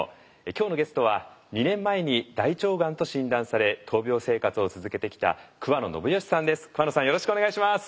今日のゲストは２年前に大腸がんと診断され闘病生活を続けてきた桑野信義さんです。